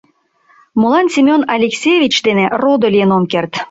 Молан Семён Алексеевич дене родо лийын ом керт?